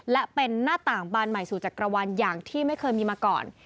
และเป็นหน้าต่างบานใหม่สู่จักรวรรณอย่างที่ไม่เคยมีมาก่อน